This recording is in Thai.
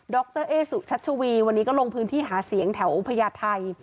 รเอ๊สุชัชวีวันนี้ก็ลงพื้นที่หาเสียงแถวพญาไทย